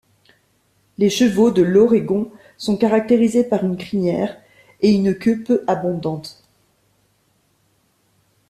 Les chevaux de l'Oregon sont caractérisés par une crinière et une queue peu abondantes.